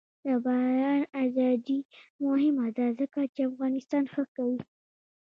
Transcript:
د بیان ازادي مهمه ده ځکه چې افغانستان ښه کوي.